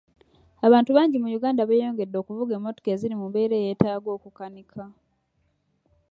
Abantu bangi mu Uganda beeyongedde okuvuga emmotoka eziri mu mbeera eyeetaaga okukanika.